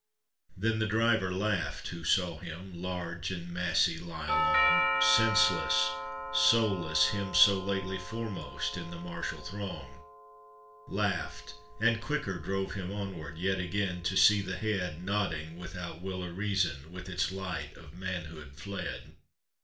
Then the driver laugh'd who saw him, Large and massy lie along, Senseless, soulless — him so lately Foremost in the martial throng. Laugh'd ! and quicker drove him onward, Yet again to see the head Nodding, without will or reason, With its light of manhood fled.